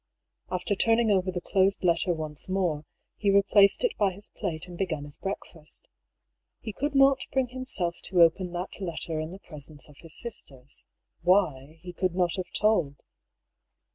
After turning over the closed letter once more, he replaced it by his plate and began his breakfast. He could not bring himself to open that letter in the presence of his sisters. .Why, he could not have told.